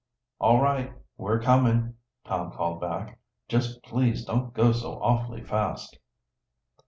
"All right; we're coming!" Tom called back. "Just please don't go so awfully fast!"